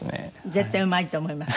絶対うまいと思います。